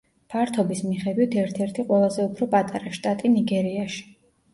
ფართობის მიხედვით ერთ-ერთი ყველაზე უფრო პატარა შტატი ნიგერიაში.